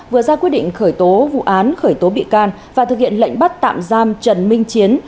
vừa ra quyết định khởi tố vụ án khởi tố bị can và thực hiện lệnh bắt tạm giam trần minh chiến